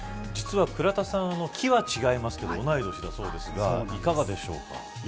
実は倉田さん期は違いますけど同い年だそうですがいかがでしょうか。